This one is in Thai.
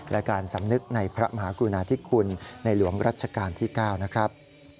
และการสำนึกในพระมหากรุณาธิคุณในหลวงรัชกาลที่๙นะครับ